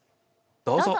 どうぞ！